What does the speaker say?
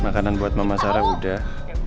makanan buat mama sarah udah